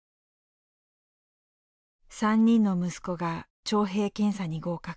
３人の息子が徴兵検査に合格。